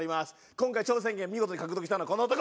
今回挑戦権見事に獲得したのはこの男！